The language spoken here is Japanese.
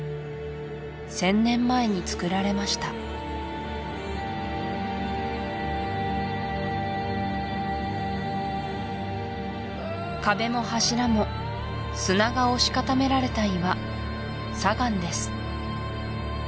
１０００年前に造られました壁も柱も砂が押し固められた岩砂岩です